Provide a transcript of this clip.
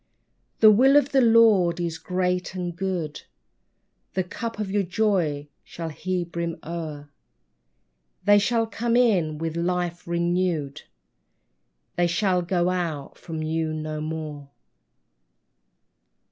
The Will of the Lord is great and good, The cup of your joy shall He brim o'er ; They shall come in with life renewed. They shall go out from you no more.